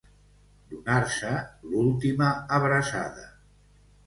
Donar-se l'última abraçada.